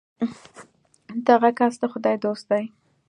دغه کس د خدای دوست دی.